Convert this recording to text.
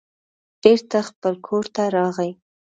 بېرته خپل کور ته راغی.